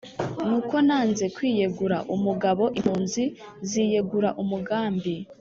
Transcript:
nuko nanze kwiyegura umugabo impunzi ziyegura umugambi